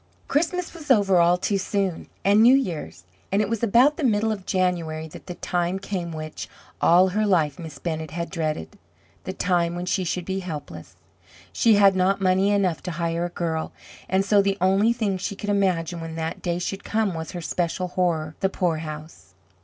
Christmas was over all too soon, and New Year's, and it was about the middle of January that the time came which, all her life, Miss Bennett had dreaded the time when she should be helpless. She had not money enough to hire a girl, and so the only thing she could imagine when that day should come was her special horror the poorhouse.